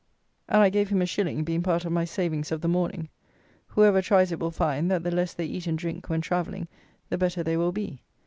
And I gave him a shilling, being part of my savings of the morning. Whoever tries it will find, that the less they eat and drink, when travelling, the better they will be.